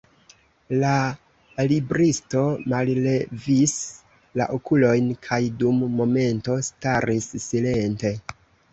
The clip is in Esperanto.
La libristo mallevis la okulojn kaj dum momento staris silente.